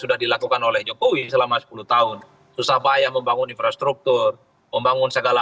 sudah dilakukan oleh jokowi selama sepuluh tahun susah bayang membangun infrastruktur membangun segala